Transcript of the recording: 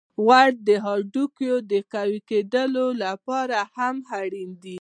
غوړې د هډوکو د قوی کیدو لپاره هم اړینې دي.